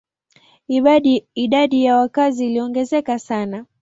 Idadi ya wakazi iliongezeka sana.